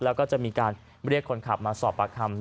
แล้วก็จะมีการเรียกคนขับมาสอบปากคำ